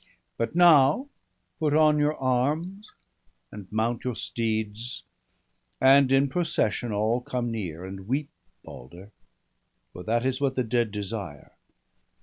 But now, put on your arms, and mount your steeds, And in procession all come near, and weep Balder; for that is what the dead desire.